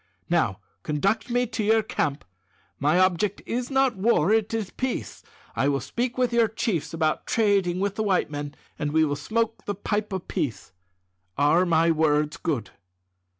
Now, conduct me to your camp. My object is not war; it is peace. I will speak with your chiefs about trading with the white men, and we will smoke the pipe of peace. Are my words good?"